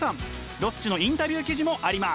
ロッチのインタビュー記事もあります。